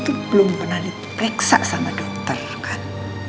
lu tuh belum pernah dipereksa sama dokter kan